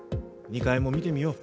２階も見てみよう。